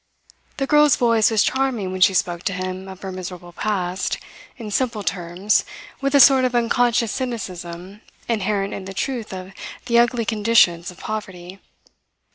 The girl's voice was charming when she spoke to him of her miserable past, in simple terms, with a sort of unconscious cynicism inherent in the truth of the ugly conditions of poverty.